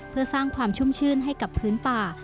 เพื่อสร้างความชุ่มชื่นให้กับพื้นป่า